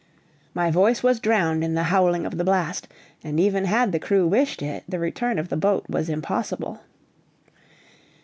My voice was drowned in the howling of the blast; and even had the crew wished it, the return of the boat was impossible.